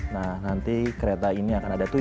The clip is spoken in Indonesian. nah nanti kereta ini akan ada tuh